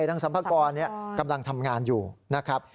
นางสัมภากรกำลังทำงานอยู่นะครับ